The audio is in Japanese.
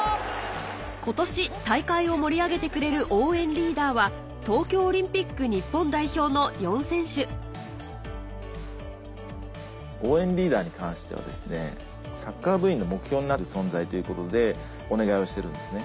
今年大会を盛り上げてくれる応援リーダーは東京オリンピック日本代表の４選手応援リーダーに関してはですねサッカー部員の目標になる存在ということでお願いをしてるんですね。